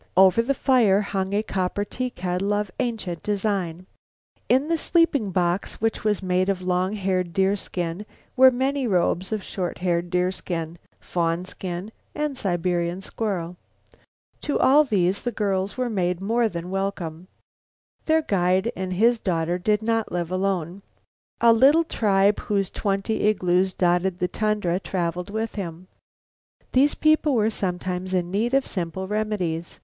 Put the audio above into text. Over the fire hung a copper teakettle of ancient design. In the sleeping box, which was made of long haired deerskins, were many robes of short haired deerskin, fawn skin and Siberian squirrel. To all these the two girls were more than welcome. Their guide and his daughter did not live alone. A little tribe whose twenty igloos dotted the tundra traveled with him. These people were sometimes in need of simple remedies.